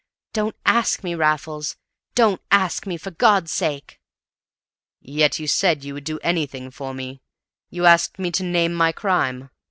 "Don't ask me, Raffles. Don't ask me, for God's sake!" "Yet you said you would do anything for me! You asked me to name my crime!